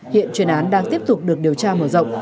hiện truyền án đang tiếp tục được điều tra mở rộng